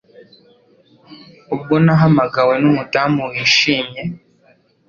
ubwo nahamagawe numudamu wishimye